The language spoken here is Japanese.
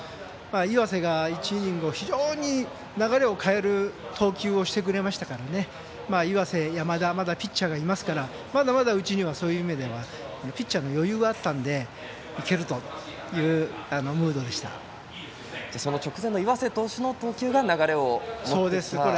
岩瀬が１イニングを非常に流れを変える投球をしてくれましたので岩瀬、山田とまだピッチャーがいますからまだまだ、うちにはそういう意味ではピッチャーの余裕があったのでその直前の岩瀬投手の投球が流れを持っていったと。